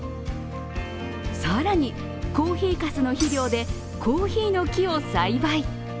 更に、コーヒーかすの肥料でコーヒーの木を栽培。